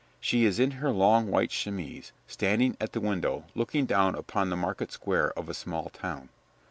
She is in her long white chemise, standing at the window looking down upon the market square of a small town.